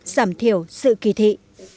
giảm thiểu sự kỳ thị